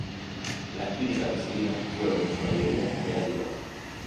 Las críticas recibidas fueron en su mayoría negativas.